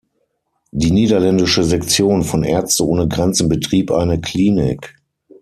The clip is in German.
Die niederländische Sektion von Ärzte ohne Grenzen betrieb eine Klinik.